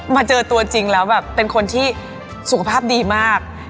มาเจอตัวจริงแล้วแบบเป็นคนที่สุขภาพดีมาก